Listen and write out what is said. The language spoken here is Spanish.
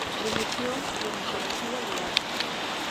Prometió "por imperativo legal".